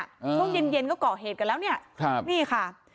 ช่วงเย็นเย็นก็ก่อเหตุกันแล้วเนี่ยครับนี่ค่ะ